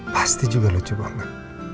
pasti juga lucu banget